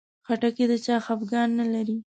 خټکی د چا خفګان نه لري.